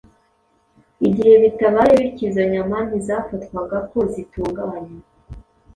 Igihe bitabaye bityo izo nyama ntizafatwaga ko zitunganye.